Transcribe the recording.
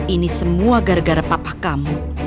ini semua gara gara papa kamu